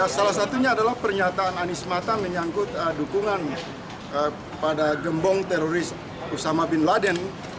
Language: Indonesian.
salah satunya adalah pernyataan anies mata menyangkut dukungan pada gembong teroris usama bin laden